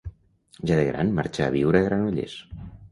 Ja de gran marxà a viure a Granollers.